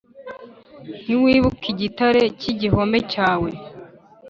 ntiwibuka Igitare cy igihome cyawe